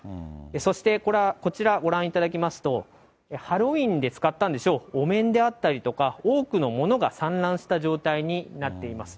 そしてこちら、ご覧いただきますと、ハロウィーンで使ったんでしょう、お面であったりとか、多くのものが散乱した状態になっています。